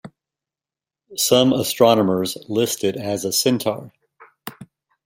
Some astronomers list it as a centaur.